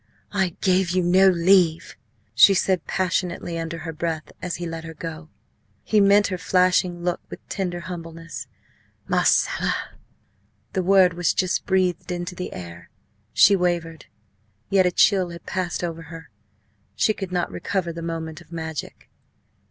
"I gave you no leave!" she said passionately, under her breath, as he let her go. He met her flashing look with tender humbleness. "Marcella!" The word was just breathed into the air. She wavered yet a chill had passed over her. She could not recover the moment of magic.